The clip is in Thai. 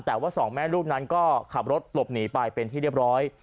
แต่ว่าสองแม่ลูกนั้นก็ขับรถหลบหนีไปเป็นที่เรียบร้อย